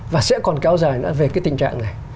và sẽ còn kéo dài nữa về cái tình trạng này